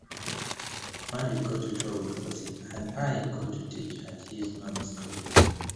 Randy got to tour with Ozzy...and I got to teach at his mom's school.